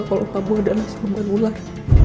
kalau kamu adalah sumuan ular